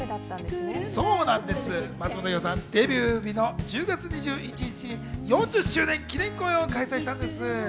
松本伊代さん、デビュー日の１０月２１日に４０周年記念公演を開催したんです。